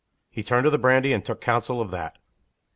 He turned to the brandy, and took counsel of that.